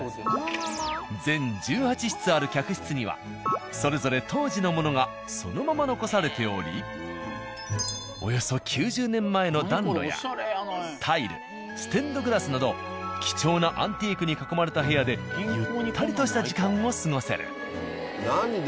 全１８室ある客室にはそれぞれ当時のものがそのまま残されておりおよそ９０年前の暖炉やタイルステンドグラスなど貴重なアンティークに囲まれた部屋でゆったりとした時間を過ごせる。